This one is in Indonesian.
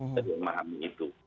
dari yang memahami itu